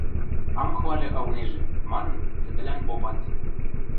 – Ам хвальы ылнежӹ, – манын, тӹдӹлӓн попат.